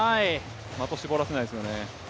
的を絞らせないですよね。